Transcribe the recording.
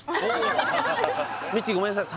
ミキティごめんなさい